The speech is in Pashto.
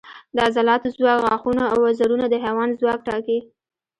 د عضلاتو ځواک، غاښونه او وزرونه د حیوان ځواک ټاکي.